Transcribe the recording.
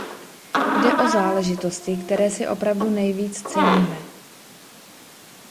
Jde o záležitosti, které si opravdu nejvíc ceníme.